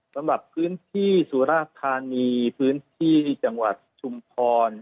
สำหรับพื้นที่สุราธานีพื้นที่จังหวัดชุมพร